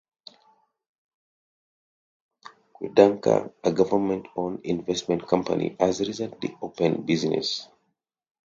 Quedancor, a government owned investment company, has recently opened business.